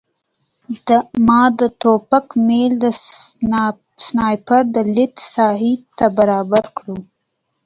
ما د ټوپک میل د سنایپر د لید ساحې ته برابر کړ